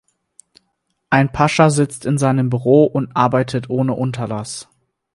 Ein Pascha sitzt in seinem Büro und arbeitet ohne Unterlass.